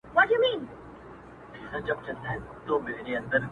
o تاته سوغات د زلفو تار لېږم باڼه .نه کيږي.